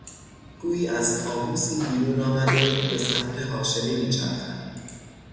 گویی از کابوسی بیرون آمده به سمت هاشمی میچرخد